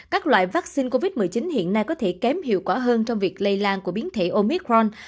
các loại vaccine covid một mươi chín hiện nay có thể kém hiệu quả hơn trong việc lây lan của biến thể omicron